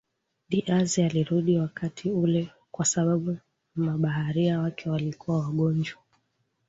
Diaz alirudi wakati ule kwa sababu mabaharia wake walikuwa wagonjwa